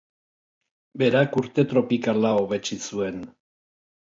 Berak urte tropikala hobetsi zuen.